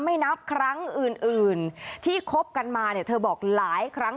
ไม่นับครั้งอื่นที่คบกันมาเธอบอกหลายครั้ง